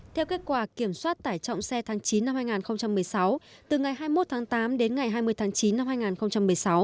theo kết quả kiểm soát tải trọng xe tháng chín năm hai nghìn một mươi sáu từ ngày hai mươi một tháng tám đến ngày hai mươi tháng chín năm hai nghìn một mươi sáu